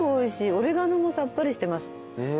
オレガノもさっぱりしてます。